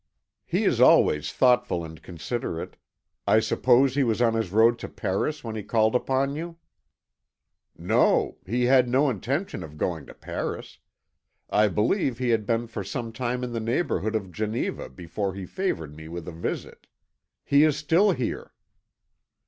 "He is always thoughtful and considerate. I suppose he was on his road to Paris when he called upon you." "No; he had no intention of going to Paris. I believe he had been for some time in the neighbourhood of Geneva before he favoured me with a visit. He is still here."